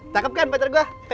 takep kan pacar gua